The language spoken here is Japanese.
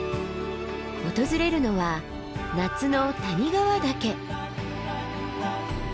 訪れるのは夏の谷川岳。